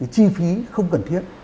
chi phí không cần thiết